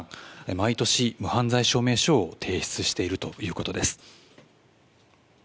毎年、無犯罪証明書を提出しているということです。